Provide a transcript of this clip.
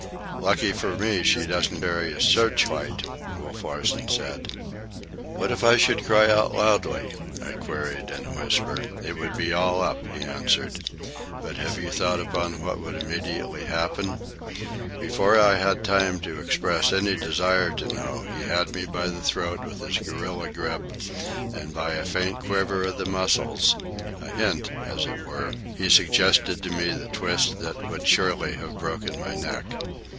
"Lucky for me he doesn't carry a searchlight," Wolf Larsen said. "What if I should cry out loudly?" I queried in a whisper. "It would be all up," he answered. "But have you thought upon what would immediately happen?" Before I had time to express any desire to know, he had me by the throat with his gorilla grip, and by a faint quiver of the muscles—a hint, as it were—he suggested to me the twist that would surely have broken my neck.